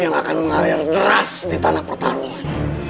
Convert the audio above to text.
yang akan mengalir deras di tanah pertarungan